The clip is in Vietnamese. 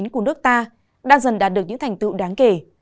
của nước ta đang dần đạt được những thành tựu đáng kể